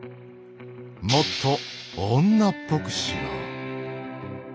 もっと女っぽくしろ。